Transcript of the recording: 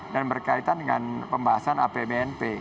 dan berkaitan dengan pembahasan apbnp